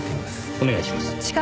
お願いします。